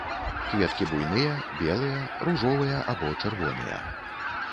Кветкі буйныя, белыя, ружовыя або чырвоныя.